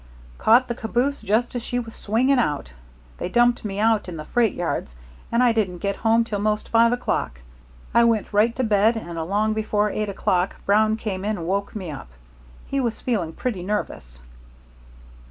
"Caught the caboose just as she was swinging out. They dumped me out in the freight yards, and I didn't get home till 'most five o'clock. I went right to bed, and along about eight o'clock Brown came in and woke me up. He was feeling pretty nervous.